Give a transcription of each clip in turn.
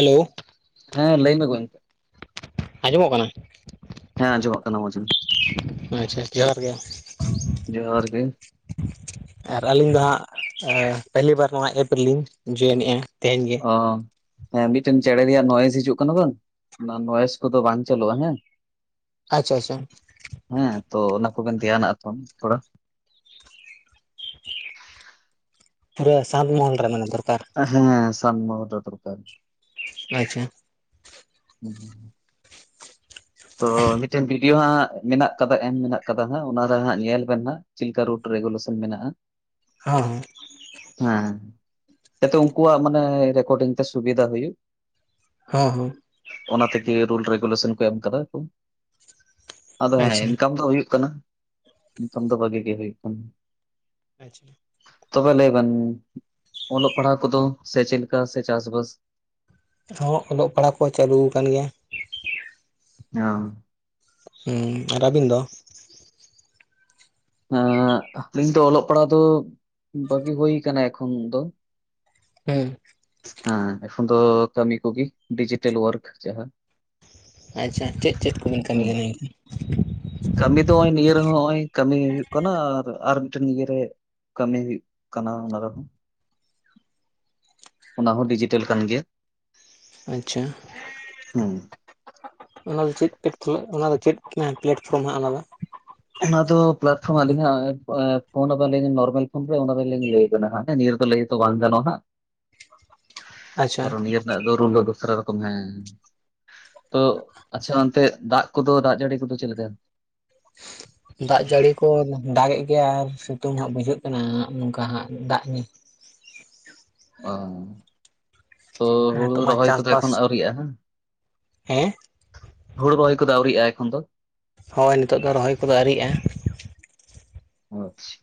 Hello. ᱦᱮᱸ ᱞᱟᱹᱭ ᱢᱮ ᱜᱚᱝᱠᱮ, ᱟᱸᱡᱚᱢᱚᱜ ᱠᱟᱱᱟ ᱦᱮᱸ ᱟᱸᱡᱚᱢᱚᱜ ᱠᱟᱱᱟ ᱢᱚᱡᱽ ᱜᱮ ᱾ ᱟᱪᱪᱷᱟ ᱡᱚᱦᱟᱨ ᱜᱮ ᱾ ᱡᱚᱦᱟᱨ ᱜᱮ ᱾ ᱟᱨ ᱟᱹᱞᱤᱧ ᱫᱚ ᱦᱟᱸᱜ ᱯᱟᱦᱤᱞᱤ ᱵᱟᱨ ᱱᱚᱣᱟ ᱮᱯ ᱨᱮᱞᱤᱧ ᱡᱚᱭᱮᱱᱮᱜᱼᱟ ᱛᱮᱦᱮᱧ ᱜᱮ ᱾ ᱚ ᱦᱮᱸ ᱢᱤᱫᱴᱮᱱ ᱪᱮᱸᱬᱮ ᱨᱮᱭᱟᱜ ᱱᱚᱭᱮᱥ ᱦᱤᱡᱩᱜ ᱠᱟᱱᱟ ᱵᱟᱝ ᱚᱱᱟ ᱱᱚᱭᱮᱥ ᱠᱚᱫᱚ ᱵᱟᱝ ᱪᱟᱞᱩᱜᱼᱟ ᱦᱮᱸ ᱾ ᱟᱪᱪᱷᱟ ᱟᱪᱪᱷᱟ ᱾ ᱦᱮᱸ ᱛᱚ ᱚᱱᱟ ᱠᱚᱵᱮᱱ ᱫᱷᱮᱭᱟᱱᱟᱜᱼᱟ ᱛᱚᱢ ᱛᱷᱚᱲᱟ ᱾ ᱯᱩᱨᱟᱹ ᱥᱟᱸᱛ ᱢᱚᱦᱚᱞ ᱨᱮ ᱢᱟᱱᱮ ᱫᱚᱨᱠᱟᱨ ᱾ ᱦᱮᱸ ᱥᱟᱸᱛ ᱢᱚᱦᱚᱞ ᱨᱮ ᱫᱚᱨᱠᱟᱨ ᱾ ᱟᱪᱪᱷᱟ ᱾ ᱦᱩᱸ, ᱦᱩᱸ ᱾ ᱛᱚ ᱢᱤᱫᱴᱮᱱ ᱵᱷᱤᱰᱭᱳ ᱦᱟᱸᱜ ᱢᱮᱱᱟᱜ ᱠᱟᱫᱟ, ᱮᱢ ᱢᱮᱱᱟᱜ ᱠᱟᱫᱟ ᱦᱟᱸᱜ ᱚᱱᱟᱨᱮ ᱦᱟᱸᱜ ᱧᱮᱞ ᱵᱮᱱ ᱦᱟᱸᱜ ᱾ ᱪᱮᱫᱮᱠᱟ ᱨᱩᱴ ᱨᱮᱜᱩᱞᱮᱥᱚᱱ ᱢᱮᱱᱟᱜᱼᱟ ᱾ ᱦᱮ ᱸ ᱦᱮᱸ ᱾ ᱦᱮᱸ ᱡᱟᱛᱮ ᱩᱱᱠᱩᱣᱟᱜ ᱢᱟᱱᱮ ᱨᱮᱠᱚᱨᱰᱤᱝ ᱛᱮ ᱥᱩᱵᱤᱫᱟ ᱦᱩᱭᱩᱜ ᱾ ᱦᱮᱸ, ᱦᱚᱸ ᱾ ᱚᱱᱟ ᱛᱮᱜᱮ ᱨᱩᱞ ᱨᱮᱜᱩᱞᱮᱥᱚᱱ ᱠᱚ ᱮᱢ ᱠᱟᱫᱟ ᱠᱚ ᱾ ᱟᱫᱚ ᱦᱮᱸ ᱟᱪᱪᱷᱟ ᱤᱱᱠᱟᱢ ᱫᱚ ᱦᱩᱭᱩᱜ ᱠᱟᱱᱟ᱾ ᱱᱤᱛᱚᱝ ᱫᱚ ᱵᱷᱟᱜᱤ ᱜᱮ ᱦᱩᱭᱩᱜ ᱠᱟᱱᱟ᱾ ᱟᱪᱪᱷᱟ ᱾ ᱛᱚᱵᱮ ᱞᱟᱹᱭ ᱵᱮᱱ ᱚᱞᱚᱜ ᱯᱟᱲᱦᱟᱜ ᱠᱚᱫᱚ ᱥᱮ ᱪᱮᱫ ᱞᱮᱠᱟ ᱥᱮ ᱪᱟᱥᱵᱟᱥ? ᱦᱚᱸ ᱚᱞᱚᱜ ᱯᱟᱲᱦᱟᱜ ᱠᱚᱦᱚ ᱪᱟᱹᱞᱩ ᱟᱠᱟᱱ ᱜᱮᱭᱟ ᱾ [unintelligible] ᱦᱩᱸ ᱟᱨ ᱟᱹᱵᱤᱱ ᱫᱚ? ᱦᱟᱸᱻ ᱟᱹᱞᱤᱧ ᱫᱚ ᱚᱞᱚᱜ ᱯᱟᱲᱦᱟᱣ ᱫᱚ ᱵᱟᱹᱜᱤ ᱦᱩᱭ ᱟᱠᱟᱱᱟ ᱮᱠᱷᱚᱱ ᱫᱚ ᱦᱩᱸ ᱾ ᱦᱮᱸ ᱮᱠᱷᱚᱱ ᱫᱚ ᱠᱟᱹᱢᱤ ᱠᱚᱜᱮ ᱰᱤᱡᱤᱴᱮᱞ ᱣᱟᱨᱠ ᱡᱟᱦᱟᱸ ᱟᱪᱪᱷᱟ ᱪᱮᱫ ᱪᱮᱫ ᱠᱚᱵᱮᱱ ᱠᱟᱹᱢᱤ ᱠᱟᱱᱟ ᱮᱱᱠᱷᱟᱱ? ᱠᱟᱹᱢᱤ ᱫᱚ ᱚᱜᱼᱚᱭ ᱱᱤᱭᱟᱹ ᱨᱮᱦᱚᱸ ᱚᱸᱭ ᱠᱟᱹᱢᱤ ᱦᱩᱭᱩᱜ ᱠᱟᱱᱟ ᱟᱨ ᱟᱨ ᱢᱤᱫᱴᱮᱱ ᱤᱭᱟᱹ ᱨᱮ ᱠᱟᱹᱢᱤ ᱦᱩᱭᱩᱜ ᱠᱟᱱᱟ᱾ ᱚᱱᱟ ᱨᱮᱦᱚᱸ ᱚᱱᱟ ᱦᱚᱸ ᱰᱤᱡᱤᱴᱮᱞ ᱠᱟᱱ ᱜᱮᱭᱟ ᱾ ᱟᱪᱪᱷᱟ ᱾ ᱚᱱᱟ ᱫᱚ ᱪᱮᱫ [unintelligible] ᱚᱱᱟ ᱫᱚ ᱪᱮᱫ ᱯᱞᱟᱴᱯᱷᱨᱚᱢ ᱦᱟᱸᱜ ᱚᱱᱟ ᱫᱚ ᱾ ᱚᱱᱟ ᱫᱚ ᱯᱞᱟᱴᱯᱷᱚᱨᱚᱢ ᱟᱹᱞᱤᱧ ᱦᱟᱸᱜ ᱯᱷᱳᱱ ᱟᱞᱤᱧ ᱱᱚᱨᱢᱮᱞ ᱯᱷᱳᱱ ᱨᱮ ᱚᱱᱟ ᱨᱮ ᱫᱚᱞᱤᱧ ᱞᱟᱹᱭ ᱟᱵᱮᱱᱟ ᱦᱟᱸᱜ ᱱᱤᱭᱟᱹ ᱨᱮᱫᱚ ᱞᱟᱹᱭ ᱫᱚ ᱵᱟᱝ ᱜᱟᱱᱚᱜᱼᱟ ᱦᱟᱸᱜ ᱾ [unintelligible] ᱟᱪᱪᱷᱟ ᱠᱟᱨᱚᱱ ᱱᱤᱭᱟᱹ ᱨᱮᱱᱟᱜ ᱫᱚ ᱨᱩᱞ ᱫᱚ ᱫᱚᱥᱨᱟ ᱨᱚᱠᱚᱢ ᱦᱮᱸ ᱾ ᱛᱚ ᱟᱪᱪᱷᱟ ᱚᱱᱛᱮ ᱫᱟᱜ ᱠᱚᱫᱚ ᱫᱟᱜ ᱡᱟᱹᱲᱤ ᱠᱚᱫᱚ ᱪᱮᱫ ᱞᱮᱠᱟ? [unintelligible] ᱫᱟᱜ ᱡᱟᱹᱲᱤ ᱠᱚ ᱫᱟᱜᱮᱫ ᱜᱮᱭᱟ ᱟᱨ ᱥᱤᱛᱩᱝ ᱦᱟᱸᱜ ᱵᱩᱡᱷᱟᱹᱜ ᱠᱟᱱᱟ ᱱᱚᱝᱠᱟ ᱦᱟᱸᱜ ᱫᱟᱜ ᱧᱩ ᱚ ᱛᱚ ᱦᱮᱸ ᱦᱩᱲᱩ ᱱᱤᱛᱚᱜ ᱢᱟ ᱨᱚᱦᱚᱭ ᱠᱚᱫᱚ ᱪᱟᱥᱵᱟᱥ ᱮᱠᱷᱚᱱ ᱟᱹᱣᱨᱤᱜ-ᱟ ᱦᱟᱸ ᱦᱮᱸ ᱦᱩᱲᱩ ᱨᱚᱦᱚᱭ ᱠᱚᱫᱚ ᱟᱣᱹᱨᱤᱭᱟᱜ-ᱟ ᱮᱠᱷᱚᱱ ᱫᱚ ᱦᱳᱭ ᱱᱤᱛᱚᱜ ᱫᱚ ᱨᱚᱦᱚᱭ ᱠᱚᱫᱚ ᱟᱣᱹᱨᱤᱭᱟᱜ-ᱟ ᱟᱪᱪᱷᱟ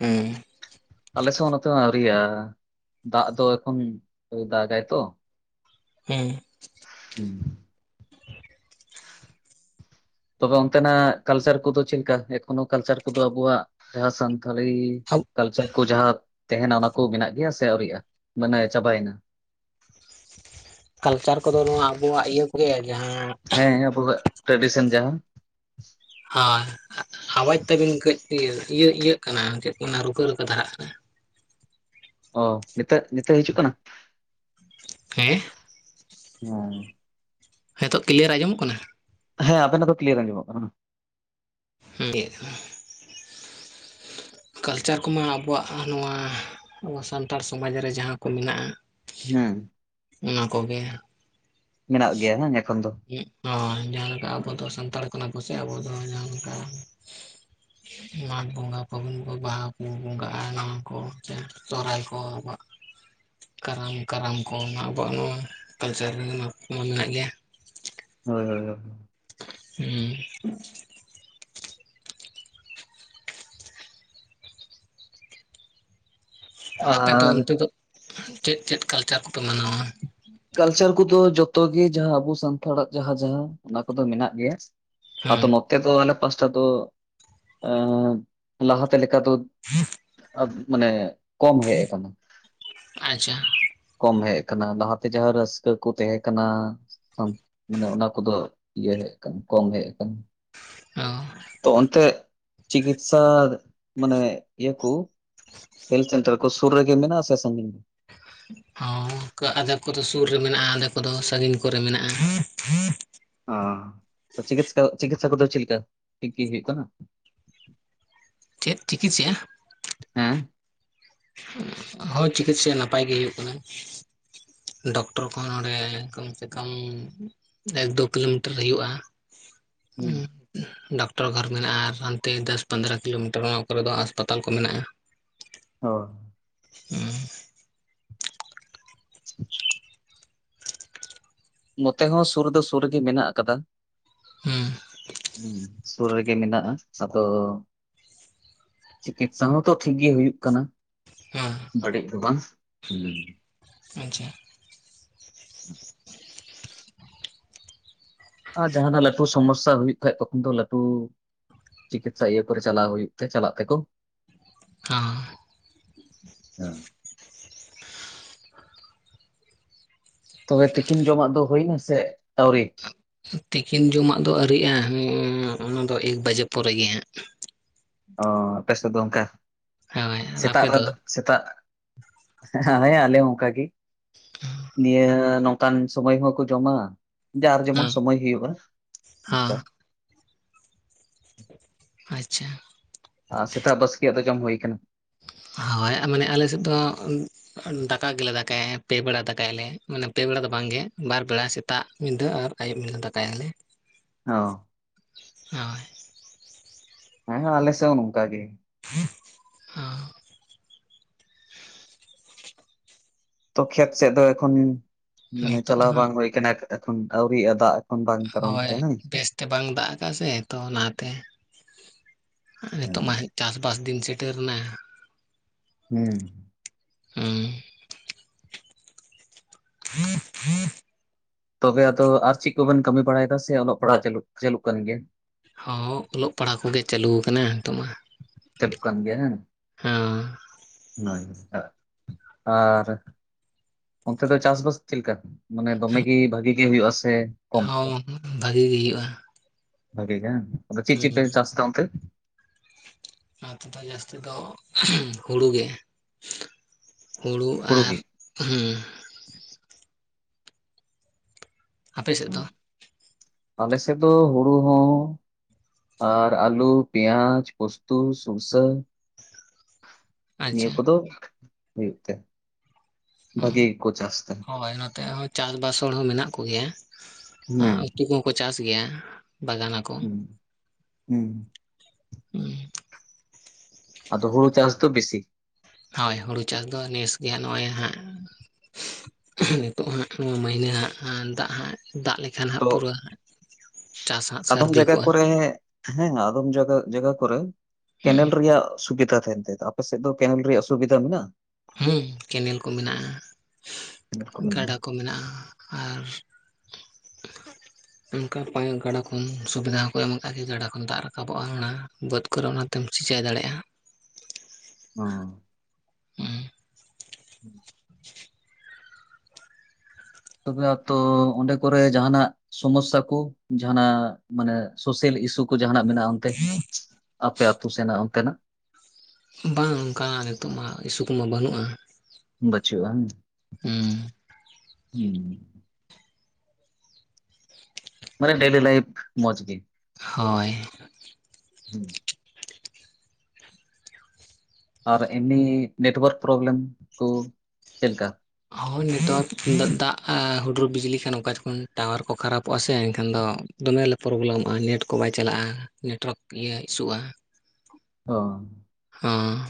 ᱦᱩᱸ ᱟᱞᱮᱥᱮᱫ ᱦᱚᱸ ᱱᱚᱛᱮ ᱦᱚᱸ ᱟᱹᱣᱨᱤᱭᱟ ᱟ ᱫᱟᱜ ᱫᱚ ᱮᱠᱷᱚᱱ ᱟᱹᱣᱨᱤ ᱫᱟᱜᱟᱭ ᱛᱚ ᱦᱩᱸ ᱦᱩᱸ ᱛᱚᱵᱮ ᱚᱱᱛᱮᱱᱟᱜ ᱠᱟᱞᱪᱟᱨ ᱠᱚᱫᱚ ᱪᱮᱫ ᱞᱮᱠᱟ ᱮᱠᱷᱚᱱᱳ ᱠᱟᱞᱪᱟᱨ ᱠᱚᱫᱚ ᱟᱵᱚᱣᱟᱜ ᱡᱟᱦᱟᱸ ᱥᱟᱱ -ᱛᱷᱟᱞᱤ ᱠᱟᱞᱪᱟᱨ ᱠᱚ ᱡᱟᱦᱟᱸ ᱛᱟᱦᱮᱱᱟ ᱚᱱᱟ ᱠᱚ ᱢᱮᱱᱟᱜ ᱜᱮᱭᱟ ᱥᱮ ᱟᱹᱣᱨᱤᱼᱟ ᱢᱟᱱᱮ ᱪᱟᱵᱟᱭᱮᱱᱟ ᱠᱟᱞᱪᱟᱨ ᱠᱚᱫᱚ ᱱᱚᱣᱟ ᱟᱵᱚᱣᱟᱜ ᱤᱭᱟᱹ ᱠᱚᱜᱮ ᱡᱟᱦᱟᱸ ᱦᱮᱸ ᱟᱵᱚᱣᱟᱜ ᱴᱨᱮᱰᱤᱥᱚᱱ ᱡᱟᱦᱟᱸ ᱦᱟᱸ ᱟᱣᱟᱡᱽ ᱛᱟᱹᱵᱤᱱ ᱠᱟᱹᱡ ᱤᱭᱟᱹ ᱤᱭᱟᱹ ᱤᱭᱟᱹᱜ ᱠᱟᱱᱟ ᱪᱮᱫ ᱠᱚ ᱢᱮᱱᱟ ᱨᱩᱠᱟᱹ ᱨᱩᱠᱟᱹ ᱫᱷᱟᱨᱟᱜ ᱠᱟᱱᱟ ᱚ ᱱᱤᱛᱟᱹᱜ ᱱᱤᱛᱚᱜ ᱦᱤᱡᱩᱜ ᱠᱟᱱᱟ? ᱦᱮᱸ ᱦᱮᱸ ᱦᱤᱛᱳ ᱠᱤᱞᱤᱭᱟᱨ ᱟᱸᱡᱚᱢᱚᱜ ᱠᱟᱱᱟ? ᱦᱮᱸ ᱟᱵᱮᱱᱟᱜ ᱫᱚ ᱠᱤᱞᱤᱭᱟᱨ ᱟᱸᱡᱚᱢᱚᱜ ᱠᱟᱱᱟ ᱦᱩᱸ ᱜᱮ ᱠᱟᱞᱪᱟᱨ ᱠᱚᱢᱟ ᱟᱵᱚᱣᱟᱜ ᱱᱚᱣᱟ ᱟᱵᱚ ᱥᱟᱱᱛᱟᱲ ᱥᱚᱢᱟᱡᱽ ᱨᱮ ᱡᱟᱦᱟᱸ ᱠᱚ ᱢᱮᱱᱟᱜ-ᱟ ᱦᱮᱸ ᱚᱱᱟ ᱠᱚᱜᱮ ᱢᱮᱱᱟᱜ ᱜᱮᱭᱟ [unintelligible] ᱮᱠᱷᱚᱱ ᱫᱚ ᱚ ᱡᱟᱦᱟᱸ ᱞᱮᱠᱟ ᱟᱵᱚ ᱫᱚ ᱥᱟᱱᱛᱟᱲ ᱠᱟᱱᱟ ᱵᱚᱥᱮ ᱟᱵᱚ ᱫᱚ ᱡᱟᱦᱟᱸ ᱞᱮᱠᱟ ᱢᱟᱜᱽ ᱵᱚᱸᱜᱟ ᱯᱷᱟᱹᱜᱩᱱ ᱵᱟᱦᱟ ᱠᱚ ᱵᱚᱸᱜᱟᱜ-ᱟ ᱱᱚᱣᱟ ᱠᱚ ᱥᱚᱦᱨᱟᱭ ᱠᱚ ᱠᱟᱨᱟᱢ ᱠᱟᱨᱟᱢ ᱠᱚ ᱟᱵᱚᱣᱟᱜ ᱱᱚᱣᱟ ᱠᱟᱞᱪᱟᱨ ᱨᱮ ᱢᱟ ᱢᱮᱱᱟᱜ ᱜᱮᱭᱟ᱾ ᱦᱳᱭ ᱦᱳᱭ ᱦᱮᱸ ᱟᱯᱮᱫᱚ ᱟᱨ ᱚᱱᱛᱮ ᱫᱚ ᱪᱮᱫ ᱪᱮᱫ ᱠᱟᱞᱪᱟᱨ ᱠᱚᱯᱮ ᱢᱟᱱᱟᱣᱟ? ᱠᱟᱞᱪᱟᱨ ᱠᱚᱫᱚ ᱡᱚᱛᱚ ᱜᱮ ᱡᱟᱦᱟᱸ ᱟᱵᱚ ᱥᱟᱱᱛᱟᱲᱟᱜ ᱡᱟᱦᱟᱸ ᱡᱟᱦᱟᱸ ᱚᱱᱟ ᱠᱚᱫᱚ ᱢᱮᱱᱟᱜ ᱜᱮᱭᱟ᱾ ᱟᱫᱚ ᱦᱮᱸ ᱱᱚᱛᱮ ᱫᱚ ᱟᱞᱮ ᱯᱟᱥᱴᱟ ᱫᱚ ᱟᱻ ᱞᱟᱦᱟᱛᱮ ᱞᱮᱠᱟ ᱫᱚ ᱢᱟᱱᱮ ᱠᱚᱢ ᱦᱮᱡ ᱠᱟᱱᱟ ᱟᱪᱪᱷᱟ ᱠᱚᱢ ᱦᱮᱡ ᱠᱟᱱᱟ ᱞᱟ ᱛᱮ ᱡᱟᱦᱟᱸ ᱨᱟᱹᱥᱠᱟᱹ ᱠᱚ ᱛᱟᱦᱮᱸ ᱠᱟᱱᱟ ᱢᱟᱱᱮ ᱚᱱᱟ ᱠᱚᱫᱚ ᱤᱭᱟᱹ ᱦᱮᱡ ᱠᱟᱱᱟ ᱠᱚᱢ ᱦᱮᱡ ᱠᱟᱱᱟ ᱚ ᱛᱚᱚᱱᱛᱮ ᱪᱤᱠᱤᱥᱥᱟ ᱢᱟᱱᱮ ᱤᱭᱟᱹ ᱠᱚ ᱦᱮᱞ ᱥᱮᱱᱴᱟᱨ ᱠᱚ ᱥᱩᱨ ᱨᱮᱜᱮ ᱢᱮᱱᱟᱜ ᱟ ᱥᱮ ᱥᱟᱺᱜᱤᱧ ᱦᱚᱸ ᱟᱫᱷᱮ ᱠᱚᱫᱚ ᱥᱩᱨ ᱨᱮ ᱢᱮᱱᱟᱜ-ᱟ ᱟᱫᱮ ᱠᱚᱫᱚ ᱥᱟᱺᱜᱤᱧ ᱠᱚᱨᱮ ᱢᱮᱱᱟᱜ-ᱟ᱾ ᱚ ᱪᱤᱠᱤᱥ ᱪᱤᱠᱤᱛᱥᱟ ᱠᱚᱫᱚ ᱪᱮᱫ ᱞᱮᱠᱟ ᱴᱷᱤᱠ ᱜᱮ ᱦᱩᱭᱩᱜ ᱠᱟᱱᱟ ᱪᱮᱫ ᱪᱤᱠᱤᱥ-ᱟ ᱦᱮᱸ ᱦᱳᱭ ᱪᱤᱠᱤᱥᱥᱟ ᱱᱟᱯᱟᱭ ᱜᱮ ᱦᱩᱭᱩᱜ ᱠᱟᱱᱟ᱾ ᱰᱚᱠᱴᱚᱨ ᱠᱚᱦᱚᱸ ᱱᱚᱰᱮ ᱠᱚᱢ ᱥᱮ ᱠᱚᱢ ᱮᱠ ᱫᱚ ᱠᱤᱞᱳᱢᱤᱴᱟᱨ ᱦᱩᱭᱩᱜᱼᱟ, ᱦᱩᱸ ᱩᱸᱦ ᱰᱟᱠᱴᱚᱨ ᱜᱷᱚᱨ ᱢᱮᱱᱟᱜᱼᱟ ᱟᱨ ᱦᱟᱱᱛᱮ ᱫᱚᱥ ᱯᱟᱸᱫᱽᱨᱚ ᱠᱤᱞᱳᱢᱤᱴᱟᱨ ᱚᱱᱟ ᱠᱚᱨᱮ ᱫᱚ ᱟᱥᱯᱟᱛᱟᱞ ᱠᱚ ᱢᱮᱱᱟᱜᱼᱟ᱾ ᱦᱚ, ᱩᱸᱦ ᱱᱚᱛᱮ ᱦᱚᱸ ᱥᱩᱨ ᱫᱚ ᱥᱩᱨ ᱨᱮᱜᱮ ᱢᱮᱱᱟᱜ ᱟᱠᱟᱫᱟ, ᱦᱩᱸ ᱩᱸ ᱥᱩᱨ ᱨᱮᱜᱮ ᱢᱮᱱᱟᱜᱼᱟ, ᱥᱟᱛᱚ ᱪᱤᱠᱤᱛᱼᱥᱟ ᱦᱚᱸᱛᱚ ᱴᱷᱤᱠ ᱜᱮ ᱦᱩᱭᱩᱜ ᱠᱟᱱᱟ᱾ ᱦᱮᱸ ᱵᱟᱲᱤᱡ ᱫᱚ ᱵᱟᱝ, ᱩᱦᱩᱸ ᱟᱪᱪᱷᱟ, ᱟᱸ ᱡᱟᱦᱟᱸᱱᱟᱜ ᱞᱟᱹᱴᱩ ᱥᱚᱢᱚᱥᱥᱟ ᱦᱩᱭᱩᱜ ᱠᱷᱟᱡ ᱛᱚᱠᱷᱚᱱ ᱫᱚ ᱞᱟᱹᱴᱩ ᱪᱤᱠᱤᱛᱥᱟ ᱤᱭᱟᱹ ᱠᱚᱨᱮ ᱪᱟᱞᱟᱣ ᱦᱩᱭᱩᱜ ᱛᱮ ᱪᱟᱞᱟᱜ ᱛᱮᱠᱚ ᱦᱮᱸ ᱦᱮᱸ ᱛᱚᱵᱮ ᱛᱤᱠᱤᱱ ᱡᱚᱢᱟᱜ ᱫᱚ ᱦᱩᱭᱮᱱᱟ, ᱥᱮ ᱟᱹᱣᱨᱤ? ᱛᱤᱠᱤᱱ ᱡᱚᱢᱟᱜ ᱫᱚ ᱟᱹᱣᱨᱤ ᱭᱟᱜᱼᱟ, ᱦᱩᱸ ᱚᱱᱟ ᱫᱚ ᱮᱠ ᱵᱟᱡᱮ ᱯᱚᱨᱮ ᱜᱮ ᱦᱟᱸᱜ᱾ ᱚᱻ ᱟᱯᱮ ᱥᱮᱫ ᱫᱚ ᱚᱸᱠᱟ ᱦᱟᱸᱜ ᱦᱳᱭ ᱟᱨ ᱥᱮᱛᱟᱜ ᱟᱯᱮ ᱫᱚ ᱨᱮᱫᱚᱜ ᱥᱮᱛᱟᱜ, ᱦᱮᱸ ᱟᱞᱮ ᱟᱞᱮ ᱦᱚᱸ ᱚᱸᱠᱟ ᱜᱤ, ᱱᱤᱭᱟᱹ ᱱᱚᱝᱠᱟᱱ ᱥᱩᱢᱚᱭ ᱦᱚᱸᱠᱚ ᱡᱚᱢᱟ᱾ ᱡᱟᱨ ᱡᱮᱢᱚᱱ ᱦᱮᱸ ᱥᱚᱢᱚᱭ ᱦᱩᱭᱩᱜᱼᱟ ᱦᱮᱸ ᱚᱸᱠᱟ, ᱟᱪᱪᱷᱟ, ᱟ ᱥᱮᱛᱟᱜ ᱵᱟᱥᱠᱮᱭᱟᱜ ᱫᱚ ᱡᱚᱢ ᱦᱩᱭ ᱠᱟᱱᱟ᱾ ᱦᱟᱻᱳᱭ ᱟ ᱢᱟᱱᱮ ᱟᱞᱮ ᱥᱮᱫ ᱫᱚ ᱩᱸ [unintelligible] ᱫᱟᱠᱟ ᱜᱮᱞᱮ ᱫᱟᱠᱟᱭᱟ ᱯᱮ ᱵᱮᱲᱟ ᱫᱟᱠᱟᱭ ᱟᱞᱮ ᱢᱟᱱᱮ ᱯᱮ ᱵᱮᱲᱟ ᱫᱚ ᱵᱟᱝ ᱜᱮ ᱵᱟᱨ ᱵᱮᱲᱟ ᱥᱮᱛᱟᱜ ᱢᱤᱫ ᱫᱷᱟᱹᱣ ᱟᱨ ᱟᱹᱭᱩᱵ ᱮᱮᱞᱮ ᱫᱟᱠᱟᱭᱟ ᱟᱞᱮ᱾ ᱚ ᱦᱳᱭ᱾ ᱦᱮᱸ ᱟᱞᱮ ᱥᱮᱜ ᱦᱚᱸ ᱱᱚᱝᱠᱟ ᱜᱮ᱾ [unintelligible] ᱚᱦ, ᱛᱚ ᱠᱷᱮᱛ ᱥᱮᱫ ᱫᱚ ᱮᱠᱷᱚᱱ ᱢᱟᱱᱮ ᱱᱤᱛᱚᱜ ᱫᱚ ᱪᱟᱞᱟᱣ ᱵᱟᱝ ᱦᱟᱸᱜ ᱦᱩᱭ ᱠᱟᱱᱟ, ᱮᱠ ᱮᱠᱷᱚᱱ ᱟᱹᱣᱨᱤᱭᱟᱜ-ᱟ ᱫᱟᱜ ᱮᱠᱷᱚᱱ ᱵᱟᱝ ᱠᱟᱨᱚᱱ ᱦᱳᱭ ᱛᱮ ᱦᱮᱸ ᱵᱮᱥᱛᱮ ᱵᱟᱝ ᱫᱟᱜ ᱟᱠᱟᱜᱼᱟ, ᱥᱮ ᱛᱚ ᱚᱱᱟ ᱛᱮ᱾ [unintelligible] ᱱᱤᱛᱚᱜ ᱢᱟ [unintelligible] ᱪᱟᱥ ᱵᱟᱥ ᱫᱤᱱ ᱥᱮᱴᱮᱨᱮᱱᱟ ᱾ ᱦᱩᱸ, ᱦᱩᱸ [inaudible] ᱛᱚᱵᱮ ᱟᱫᱚ ᱟᱨ ᱪᱮᱫ ᱠᱚᱵᱤᱱ ᱠᱟᱹᱢᱤ ᱵᱟᱲᱟᱭᱮᱫᱟ ᱥᱮ ᱚᱞᱚᱜ ᱯᱟᱲᱦᱟᱜ ᱪᱟᱹᱞᱩᱜ ᱪᱟᱹᱞᱩᱜ ᱠᱟᱱ ᱜᱮᱭᱟ? ᱦᱚᱸ ᱚᱞᱚᱜ ᱯᱟᱲᱦᱟᱣ ᱠᱚᱜᱮ ᱪᱟᱹᱞᱩ ᱟᱠᱟᱱᱟ ᱱᱤᱛᱚᱜ ᱢᱟ᱾ ᱪᱟᱞᱩᱜ ᱠᱟᱱ ᱜᱮᱭᱟ ᱦᱮᱸ, ᱦᱮᱸᱻᱣᱟᱸ, ᱦᱚᱭ ᱛᱚᱜ ᱟᱨ ᱚᱱᱛᱮ ᱫᱚ ᱪᱟᱥ ᱵᱟᱥ ᱪᱮᱜ ᱞᱮᱠᱟ? ᱢᱟᱱᱮ ᱫᱚᱢᱮ ᱜᱮ ᱵᱷᱟᱹᱜᱤ ᱜᱮ ᱦᱩᱭᱩᱜ-ᱟ ᱥᱮ ᱠᱚᱢ ᱦᱚᱸ ᱚᱝ ᱵᱷᱟᱹᱜᱤ ᱜᱮ ᱦᱩᱭᱩᱜ-ᱟ᱾ ᱵᱷᱟᱜᱤ ᱜᱮ, ᱟᱫᱚ ᱪᱮᱜ ᱪᱮᱜ ᱯᱮ ᱪᱟᱥ ᱛᱮ ᱚᱱᱛᱮ? ᱱᱚᱛᱮ ᱫᱚ ᱡᱟᱹᱥᱛᱤ ᱫᱚ [unintelligible] ᱦᱩᱲᱩ ᱜᱮ᱾ ᱦᱩᱲᱩ ᱟᱨ ᱦᱩᱸ, ᱟᱯᱮ ᱥᱮᱫ ᱫᱚ ᱦᱚᱸᱜ, ᱟᱞᱮ ᱥᱮᱫ ᱫᱚ ᱦᱩᱲᱩ ᱦᱚᱸ ᱟᱨ ᱟᱹᱞᱩ, ᱯᱮᱸᱭᱟᱡᱽ, ᱯᱩᱥᱛᱩ, ᱥᱩᱨᱥᱟᱹ, [inaudible] ᱱᱤᱭᱟᱹ ᱠᱚᱫᱚ ᱦᱩᱭᱩᱜ ᱛᱮ ᱦᱩᱸ ᱵᱷᱟᱹᱜᱮ ᱜᱮᱠᱚ ᱪᱟᱥ ᱫᱟ᱾ ᱦᱳᱭ ᱱᱚᱛᱮ ᱦᱚᱸ ᱪᱟᱥ ᱵᱟᱥ ᱦᱚᱲ ᱦᱚᱸ ᱢᱮᱱᱟᱜ ᱠᱚᱜᱮᱭᱟ ᱦᱮᱸ ᱩᱛᱩ ᱠᱚ ᱠᱚ ᱪᱟᱥ ᱜᱮᱭᱟ, ᱵᱟᱜᱟᱱ ᱦᱩᱸ ᱦᱩᱸ [inaudible] ᱟᱫᱚ ᱦᱩᱲᱩ ᱪᱟᱥ ᱫᱚ ᱵᱮᱥᱤ ᱦᱳᱭ ᱦᱩᱲᱩ ᱪᱟᱥ ᱫᱚ ᱱᱮᱥ ᱜᱮᱦᱟᱜ ᱱᱚᱜ-ᱚᱭ ᱦᱟᱸᱜ ᱱᱤᱛᱳᱜ ᱦᱟᱸᱜ ᱱᱚᱣᱟ ᱢᱟᱹᱦᱱᱟᱹ ᱦᱟᱸᱜ ᱫᱟᱜ ᱦᱟᱸᱜ ᱫᱟᱜ ᱞᱮᱠᱟ ᱮᱱᱠᱷᱟᱱ ᱛᱚ ᱦᱟᱸᱜ ᱯᱩᱨᱟᱹ ᱪᱟᱥ ᱦᱟᱸᱜ ᱥᱟᱹᱨᱫᱤ ᱠᱚᱜ-ᱟ᱾ ᱦᱮᱸ-ᱟ ᱟᱫᱚᱢ ᱡᱟᱭᱜᱟ ᱡᱟᱭᱜᱟ ᱠᱚᱨᱮ ᱦᱩᱸ ᱠᱮᱱᱮᱞ ᱨᱮᱭᱟᱜ ᱥᱩᱵᱤᱫᱷᱟ ᱛᱟᱦᱮᱱ ᱛᱟᱭ ᱟᱯᱮ ᱥᱮᱫ ᱫᱚ ᱠᱮᱱᱮᱞ ᱨᱮᱭᱟᱜ ᱥᱩᱵᱤᱫᱷᱟ ᱢᱮᱱᱟᱜ-ᱟ? ᱦᱩᱸ ᱠᱮᱱᱮᱞ ᱠᱚ ᱢᱮᱱᱟᱜ-ᱟ ᱠᱮᱱᱮᱞ ᱢᱮᱱᱟᱜᱼᱟ ᱜᱟᱰᱟ ᱠᱚ ᱢᱮᱱᱟᱜ-ᱟ ᱟᱨ ᱚᱱᱠᱟ ᱯᱟᱭ ᱜᱟᱰᱟ ᱠᱷᱚᱱ ᱥᱩᱵᱤᱫᱷᱟ ᱦᱚᱸᱠᱚ ᱮᱢ ᱟᱠᱟᱜ ᱜᱮ ᱜᱟᱰᱟ ᱠᱷᱚᱱ ᱫᱟᱜ ᱨᱟᱠᱟᱵᱚᱜ-ᱟ ᱚᱱᱟ ᱵᱟᱹᱫᱽ ᱠᱚᱨᱮ ᱚᱱᱟ ᱛᱮᱢ ᱪᱤᱠᱟᱹ ᱫᱟᱲᱮᱭᱟᱜ-ᱟ ᱚᱸ ᱦᱮᱸ [unintelligible] [unintelligible] ᱛᱚᱵᱮ ᱛᱚ ᱚᱸᱰᱮ ᱠᱚᱨᱮ ᱡᱟᱦᱟᱱᱟᱜ ᱥᱚᱢᱚᱥᱥᱟ ᱠᱚ ᱡᱟᱦᱟᱱᱟᱜ ᱢᱟᱱᱮ ᱥᱳᱥᱟᱞ ᱤᱥᱩ ᱠᱚ ᱡᱟᱦᱟᱱᱟᱜ ᱢᱮᱱᱟᱜ-ᱟ ᱚᱱᱛᱮ ᱟᱯᱮ ᱟᱛᱳ ᱥᱮᱱᱟᱜ ᱚᱱᱛᱮ ᱱᱟᱜ ᱵᱟᱝ ᱚᱱᱠᱟᱱᱟᱜ ᱱᱤᱛᱚᱜ ᱢᱟ ᱤᱥᱩ ᱠᱚᱢᱟ ᱵᱟᱹᱱᱩᱜ-ᱟ᱾ ᱵᱟᱹᱪᱩᱜ-ᱟ ᱦᱩᱸ ᱦᱮᱸ ᱢᱟᱱᱮ ᱰᱤᱞᱤ ᱞᱟᱭᱯᱷ ᱢᱚᱡᱽ ᱜᱮ ᱦᱳᱭ ᱦᱩᱸ ᱟᱨ ᱮᱢᱱᱤ ᱱᱮᱴᱣᱟᱨᱠ ᱯᱨᱚᱵᱞᱮᱢ ᱠᱚ ᱪᱮᱫ ᱞᱮᱠᱟ? ᱦᱳᱭ ᱱᱮᱛᱟᱨ ᱫᱟᱜ ᱦᱩᱰᱩᱨ ᱵᱤᱡᱽᱞᱤ ᱠᱷᱟᱱ ᱚᱠᱟ ᱡᱚᱠᱷᱚᱱ ᱴᱟᱣᱟᱨ ᱠᱚ ᱠᱷᱟᱨᱟᱯᱚᱜ-ᱟ ᱥᱮ ᱮᱱᱠᱷᱟᱱ ᱫᱚ ᱫᱚᱢᱮ ᱞᱮ ᱯᱨᱚᱵᱞᱮᱚᱢᱚᱜ-ᱟ ᱱᱮᱴ ᱠᱚ ᱵᱟᱭ ᱪᱟᱞᱟᱜ-ᱟ ᱱᱮᱴᱣᱟᱨᱠ ᱤᱭᱟᱹ ᱤᱥᱚᱜ-ᱟ ᱚ ᱦᱚᱸ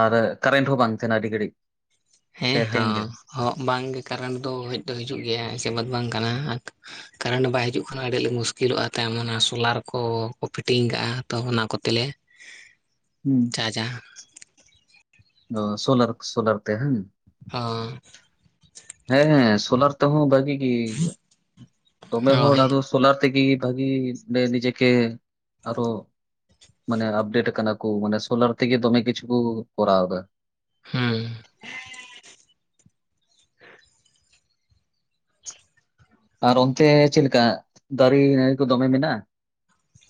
ᱟᱨ ᱠᱟᱨᱮᱱᱴ ᱦᱚᱸ ᱵᱟᱝ ᱛᱟᱦᱮᱱᱟ ᱟᱹᱰᱤ ᱜᱷᱟᱹᱲᱤᱡ ᱦᱮᱸ ᱥᱮ ᱛᱮᱦᱮᱧ ᱜᱮ ᱦᱚᱸ ᱵᱟᱝᱜᱮ ᱠᱟᱨᱮᱱᱴ ᱫᱚ ᱦᱮᱡ ᱫᱚ ᱦᱤᱡᱩᱜ ᱜᱮᱭᱟ ᱮᱥᱮ ᱵᱟᱹᱛ ᱵᱟᱝ ᱠᱟᱱᱟ ᱠᱟᱨᱮᱱᱴ ᱵᱟᱭ ᱦᱤᱡᱩᱜ ᱠᱷᱟᱱ ᱟᱹᱰᱤ ᱟᱸᱞᱮ ᱢᱩᱥᱠᱤᱞᱚᱜ-ᱟ ᱛᱟᱭᱚᱢ ᱚᱱᱟ ᱥᱳᱞᱟᱨ ᱠᱚᱠᱚ ᱯᱷᱤᱴᱤᱝ ᱠᱟᱜ-ᱟ ᱛᱚ ᱚᱱᱟ ᱠᱚᱛᱮ ᱞᱮ [inaudible] ᱦᱮᱸ ᱚ ᱥᱳᱞᱟᱨ ᱥᱳᱞᱟᱨ ᱛᱮ ᱦᱩ ᱦᱚᱸ ᱦᱮᱸ ᱦᱮᱸ ᱥᱳᱞᱟᱨ ᱛᱮᱦᱚᱸ ᱵᱷᱟᱹᱜᱤ ᱜᱮ ᱫᱚᱢᱮ ᱦᱚᱲ ᱦᱳᱭ ᱟᱫᱚ ᱥᱳᱞᱟᱨ ᱛᱮᱜᱮ ᱵᱷᱟᱹᱜᱤ ᱱᱤᱡᱮᱠᱮ ᱟᱨᱚ ᱢᱟᱱᱮ ᱟᱯᱰᱮᱴ ᱠᱟᱱᱟ ᱠᱚ ᱢᱟᱱᱮ ᱥᱳᱞᱟᱨ ᱛᱮᱜᱮ ᱫᱚᱢᱮ ᱠᱤᱪᱷᱩ ᱠᱚ ᱠᱚᱨᱟᱣ ᱮᱫᱟ ᱦᱮᱸ ᱟᱨ ᱚᱱᱛᱮ ᱪᱮᱫ ᱞᱮᱠᱟ ᱫᱟᱨᱮ ᱱᱟᱹᱲᱤ ᱠᱚ ᱫᱚᱢᱮ ᱢᱮᱱᱟᱜ-ᱟ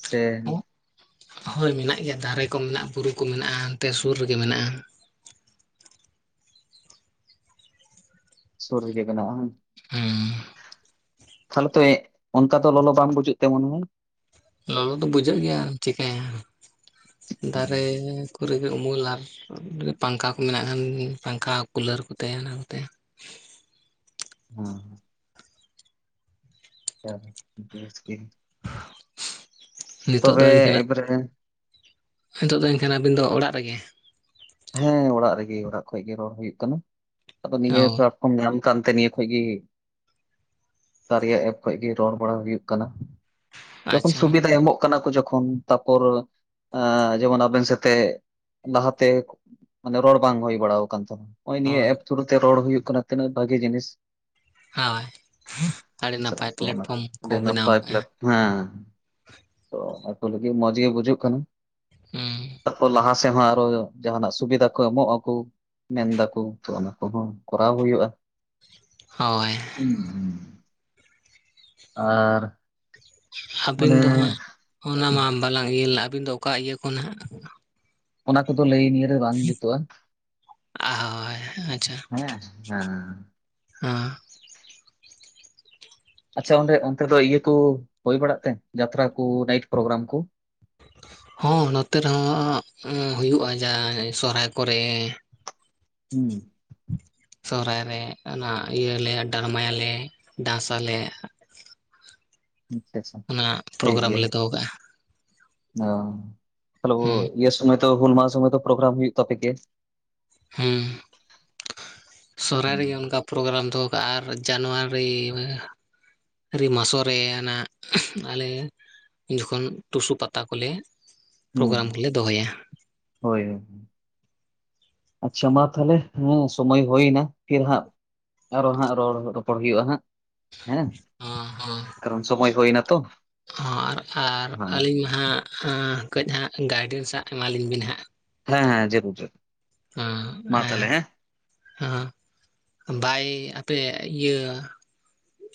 ᱥᱮ ᱦᱳᱭ ᱢᱮᱱᱟᱜ ᱜᱮᱭᱟ ᱫᱟᱨᱮ ᱠᱚ ᱢᱮᱱᱟᱜᱼᱟ ᱵᱩᱨᱩ ᱠᱚ ᱢᱮᱱᱟᱜᱼᱟ ᱚᱱᱛᱮ ᱥᱩᱨ ᱨᱮᱜᱮ ᱢᱮᱱᱟᱜᱼᱟ᱾ ᱥᱩᱨ ᱨᱮᱜᱮ ᱢᱮᱱᱟᱜᱼᱟ ᱵᱟᱝ? ᱦᱩᱸ᱾ ᱛᱟᱦᱚᱞᱮ ᱛᱚ ᱚᱝᱠᱟ ᱫᱚ ᱞᱚᱞᱚ ᱵᱩᱡᱷᱟᱜ ᱛᱮ ᱢᱚᱱᱮ ᱦᱳᱭ? ᱞᱚᱞᱚ ᱫᱚ ᱵᱩᱡᱷᱟᱹᱜ ᱜᱮᱭᱟ ᱪᱤᱠᱟᱹᱭᱟ᱾ ᱫᱟᱨᱮ ᱠᱚᱨᱮ ᱜᱮ ᱩᱢᱩᱞ ᱟᱨ ᱯᱟᱝᱠᱷᱟ ᱠᱚ ᱢᱮᱱᱟᱜ ᱠᱷᱟᱱ ᱯᱟᱝᱠᱷᱟ ᱠᱩᱞᱟᱹᱨ ᱠᱚ ᱛᱟᱦᱮᱸᱱᱟ ᱚᱱᱛᱮ᱾ ᱦᱚᱸ᱾ ᱦᱮᱸ ᱵᱮᱥᱜᱮ ᱱᱤᱛᱚᱜ ᱛᱚᱵᱮ ᱮᱵᱟᱨᱮ ᱦᱤᱛᱚᱜ ᱫᱚ ᱮᱱᱠᱷᱟᱱ ᱟᱹᱵᱤᱱ ᱫᱚ ᱚᱲᱟᱜ ᱨᱮᱜᱮ? ᱦᱮᱸ ᱚᱲᱟᱜ ᱨᱮᱜᱮ ᱚᱲᱟᱜ ᱠᱷᱚᱡ ᱜᱮ ᱨᱚᱲ ᱦᱩᱭᱩᱜ ᱠᱟᱱᱟ, ᱟᱫᱚ ᱱᱤᱭᱟᱹ ᱚ [unintelligible] ᱠᱷᱱ ᱧᱟᱢ ᱠᱟᱱ ᱛᱮ ᱱᱤᱭᱟᱹ ᱠᱷᱟᱡ ᱜᱮ ᱠᱟᱨᱭᱟ ᱮᱯ ᱠᱷᱚᱡ ᱜᱮ ᱨᱚᱲ ᱵᱟᱲᱟ ᱦᱩᱭᱩᱜ ᱠᱟᱱᱟ, ᱡᱚᱠᱷᱚᱱ ᱟᱪᱪᱷᱟ ᱥᱩᱵᱤᱫᱟᱭ ᱮᱢᱚᱜ ᱠᱟᱱᱟ ᱠᱚ ᱡᱚᱠᱷᱚᱱ ᱛᱟᱯᱚᱨ ᱟᱸ ᱡᱮᱢᱚᱱ ᱟᱵᱮᱱ ᱥᱟᱛᱮ ᱞᱟᱦᱟᱛᱮ ᱢᱟᱱᱮ ᱨᱚᱲ ᱵᱟᱝ ᱦᱩᱭ ᱵᱟᱲᱟᱣ ᱠᱟᱱ ᱛᱟᱦᱮᱸᱱᱟ ᱱᱚᱜᱼᱚᱭ ᱱᱤᱭᱟᱹ ᱦᱳᱭ ᱮᱯ ᱛᱷᱨᱩ ᱛᱮ ᱨᱚᱲ ᱦᱩᱭᱩᱜ ᱠᱟᱱᱟ ᱛᱤᱱᱟᱹᱜ ᱵᱷᱟᱜᱤ ᱡᱤᱱᱤᱥ᱾ ᱦᱳᱭ ᱟᱹᱰᱤ ᱥᱟᱞᱟᱜ ᱱᱟᱯᱟᱭ ᱛᱚ ᱚᱱᱟ ᱯᱞᱟᱴᱯᱷᱚᱨᱚᱢ ᱠᱚ ᱟᱹᱰᱤ ᱵᱮᱱᱟᱣ ᱱᱟᱯᱟᱭ ᱠᱟᱜᱼᱟ᱾ ᱯᱞᱟᱴ ᱦᱮᱸ ᱛᱚ ᱟᱠᱚ ᱞᱟᱹᱜᱤᱫ ᱢᱚᱸᱡ ᱜᱮ ᱵᱩᱡᱩᱜ ᱠᱟᱱᱟ ᱦᱩᱸ ᱛᱟᱨᱯᱚᱨ ᱞᱟᱦᱟ ᱥᱮᱫ ᱦᱚᱸ ᱟᱨᱚ ᱡᱟᱦᱟᱸᱱᱟᱜ ᱥᱩᱵᱤᱫᱟ ᱠᱚ ᱮᱢᱚᱜ ᱟᱠᱚ᱾ ᱢᱮᱱ ᱫᱟᱠᱚ ᱛᱚ ᱚᱱᱟ ᱠᱚᱦᱚᱸ ᱠᱚᱨᱟᱣ ᱦᱩᱭᱩᱜᱼᱟ᱾ ᱦᱳᱭ᱾ ᱦᱩᱸ ᱦᱩᱸ ᱟᱨ ᱟᱹᱵᱤᱱ ᱢᱟᱱᱮ ᱫᱚ ᱦᱟᱸᱜ ᱚᱱᱟ ᱢᱟ ᱵᱟᱞᱟᱝ ᱤᱭᱟᱹ ᱞᱮᱱᱟ, ᱟᱹᱵᱤᱱ ᱫᱚ ᱚᱠᱟ ᱤᱭᱟᱹ ᱠᱚᱱ ᱦᱟᱸᱜ ᱚᱱᱟ ᱠᱚᱫᱚ ᱞᱟᱹᱭ ᱱᱤᱭᱟᱹᱨᱮ ᱵᱟᱝ ᱡᱩᱛᱩᱜᱼᱟ ᱦᱳᱭ ᱦᱮᱸ᱾ ᱦᱮᱸ᱾ ᱦᱚᱸ᱾ ᱟᱪᱪᱷᱟ ᱚᱸᱰᱮ ᱚᱱᱛᱮ ᱫᱚ ᱤᱭᱟᱹ ᱠᱩ ᱦᱩᱭ ᱵᱟᱲᱟᱜ ᱛᱮ ᱡᱟᱛᱨᱟ ᱠᱚ ᱱᱟᱭᱤᱴ ᱯᱨᱳᱜᱨᱟᱢ ᱠᱩ? ᱦᱚᱸ ᱱᱚᱛᱮ ᱨᱮᱦᱚᱸ ᱦᱩᱭᱩᱜᱼᱟ ᱡᱟ ᱥᱚᱦᱨᱟᱭ ᱠᱚᱨᱮ᱾ [inaudible] ᱦᱩᱸ᱾ ᱥᱚᱦᱨᱟᱭ ᱨᱮ ᱚᱱᱟ ᱤᱭᱟᱹᱞᱮ ᱰᱨᱟᱢᱟᱭᱟᱞᱮ ᱰᱟᱱᱥ ᱟᱞᱮ ᱟᱪᱪᱷᱟ ᱪᱷᱟ ᱚᱱᱟ ᱴᱷᱤᱠ ᱯᱨᱳᱜᱨᱟᱢ ᱜᱮᱭᱟ᱾ ᱞᱮ ᱫᱚᱦᱚ ᱠᱟᱜᱼᱟ ᱚ ᱛᱟᱦᱞᱮ ᱦᱩᱸ ᱤᱭᱟᱹ ᱥᱚᱢᱚᱭ ᱛᱚ ᱦᱩᱞ ᱢᱟᱦᱟ ᱥᱚᱢᱚᱭ ᱯᱨᱳᱜᱨᱟᱢ ᱦᱩᱭᱩᱜ ᱛᱟᱯᱮ ᱜᱮ? ᱦᱮᱸ ᱥᱚᱦᱨᱟᱭ ᱨᱮᱜᱮ ᱦᱩᱸ ᱚᱱᱠᱟ ᱯᱨᱳᱜᱨᱟᱢ ᱫᱚᱦᱚ ᱠᱟᱜᱼᱟ ᱟᱨ ᱡᱟᱱᱩᱣᱟᱨᱤ ᱢᱟᱥᱚ ᱨᱮ ᱱᱟᱜ ᱟᱞᱮ ᱩᱱ ᱡᱚᱠᱷᱚᱱ ᱴᱩᱥᱩ ᱯᱟᱛᱟ ᱠᱚᱞᱮ ᱦᱩᱸ ᱯᱨᱳᱜᱨᱟᱢ ᱠᱚᱞᱮ ᱫᱚᱦᱚᱭᱟ᱾ ᱦᱳᱭ᱾ ᱟᱪᱪᱷᱟ ᱢᱟ ᱛᱟᱦᱚᱞᱮ ᱦᱮᱸ ᱥᱚᱢᱚᱭ ᱦᱩᱭᱱᱟ ᱯᱷᱤᱨ ᱦᱟᱸᱜ ᱟᱨᱚ ᱦᱟᱸᱜ ᱨᱚᱲ ᱨᱚᱯᱚᱲ ᱦᱩᱭᱩᱜᱼᱟ ᱦᱟᱸᱜ ᱦᱮᱸ᱾ ᱚ ᱦᱚᱸ᱾ ᱠᱚᱨᱚᱱ ᱥᱚᱢᱚᱭ ᱦᱩᱭᱱᱟ ᱛᱚ᱾ ᱦᱚᱸ ᱟᱨ ᱟᱨ ᱦᱮᱸ ᱟᱹᱞᱤᱧ ᱢᱟ ᱦᱟᱸᱜ ᱠᱟᱹᱡ ᱦᱟᱸᱜ ᱜᱟᱭᱰᱮᱱ ᱥᱟᱜ ᱮᱢᱟᱞᱤᱧ ᱵᱤᱱ ᱦᱟᱸᱜ᱾ ᱦᱮᱸ ᱦᱮᱸ ᱡᱟᱹᱨᱩᱲ ᱡᱟᱹᱨᱩᱲ ᱢᱟ ᱛᱟᱦᱚᱞᱮ ᱦᱮᱸ᱾ ᱦᱟᱸ ᱦᱟᱸ ᱵᱟᱭ ᱟᱯᱮ ᱤᱭᱟᱹ